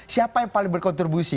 siapa yang paling berkontribusi